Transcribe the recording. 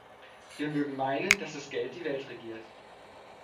Wir mögen meinen, dass das Geld die Welt regiert.